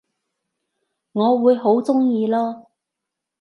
我會好鍾意囉